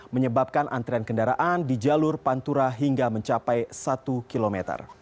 menyebabkan antrian kendaraan di jalur pantura hingga mencapai satu km